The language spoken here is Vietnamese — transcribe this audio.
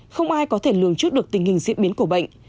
không ai có thể lường trước được tình hình diễn biến của bệnh